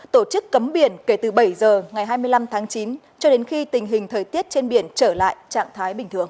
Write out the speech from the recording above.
tổ chức cấm biển kể từ bảy giờ ngày hai mươi năm tháng chín cho đến khi tình hình thời tiết trên biển trở lại trạng thái bình thường